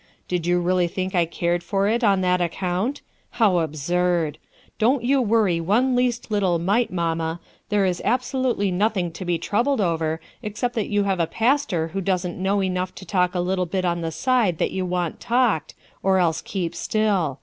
Did you really think I cared for it on that account? How absurd! Don't you worry one least little mite, mamma, there is absolutely nothing to be troubled over except that you have a pastor who doesn't know enough to talk a little bit on the side that you want talked, or else keep still.